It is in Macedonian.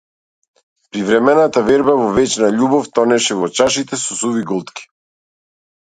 Привремената верба во вечна љубов, тонеше во чашите со суви голтки.